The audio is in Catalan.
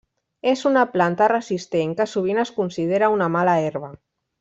És una planta resistent que sovint es considera una mala herba.